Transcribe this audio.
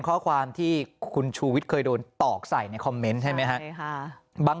ข้อความที่คุณชูวิทย์เคยโดนตอกใส่ในคอมเมนต์ใช่ไหมครับ